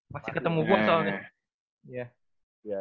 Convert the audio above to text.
masih ketemu gue soalnya